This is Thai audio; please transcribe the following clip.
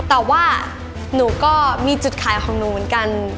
แต่ว่าหนูก็มีจุดขายของหนูเหมือนกัน